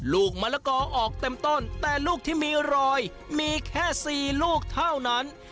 ลูกมะละกอออกเต็มต้นแต่ลูกที่มีรอยมีแค่๔ลูกเท่านั้น